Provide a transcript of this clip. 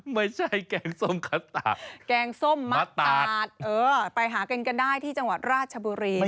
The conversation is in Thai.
ไม่ใช่แกงส้มคัสตาร์ดแกงส้มมะตาดเออไปหากันกันได้ที่จังหวัดราชบุรีนะฮะ